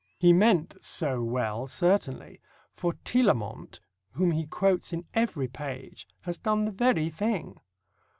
He meant so well certainly, for Tillemont, whom he quotes in every page, has done the very thing.